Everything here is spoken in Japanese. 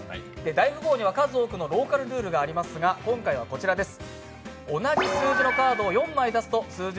大富豪には数多くのローカルルールがありますが、こちらです。